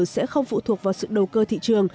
sẽ không phụ thuộc vào sự đầu cơ thị trường